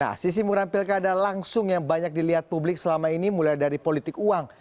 nah sisi muram pilkada langsung yang banyak dilihat publik selama ini mulai dari politik uang